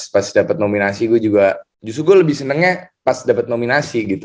pas dapat nominasi gue juga justru gue lebih senengnya pas dapat nominasi gitu